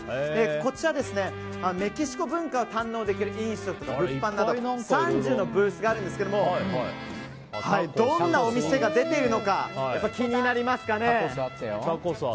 こちらはメキシコ文化を堪能できる飲食など３０のブースがあるんですがどんなお店が出ているのか気になりますかね。